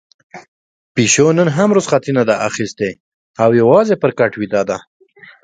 پيشو نن هم رخصتي نه ده اخیستې او يوازې پر کټ ويده ده.